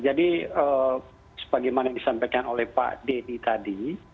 jadi seperti yang disampaikan oleh pak denny tadi